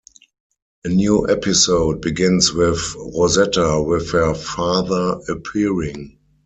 A new episode begins with Rosetta with her father appearing.